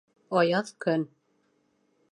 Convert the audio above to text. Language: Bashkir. Аяҙ көн